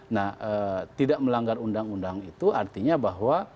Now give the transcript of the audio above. nah tidak melanggar undang undang itu artinya bahwa